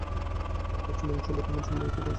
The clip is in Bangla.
যার পশ্চিম অংশ বর্ধমান সমভূমিতে প্রবেশ করে।